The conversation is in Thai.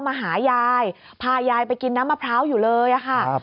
มาหายายพายายไปกินน้ำมะพร้าวอยู่เลยค่ะ